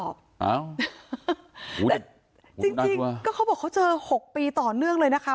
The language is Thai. จริงก็เขาบอกเขาเจอ๖ปีต่อเนื่องเลยนะคะ